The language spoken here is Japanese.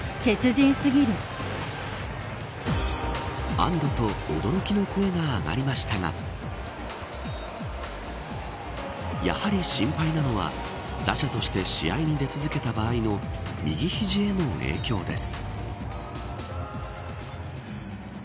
安堵と驚きの声が上がりましたがやはり心配なのは打者として試合に出続けた場合の右肘への影響です。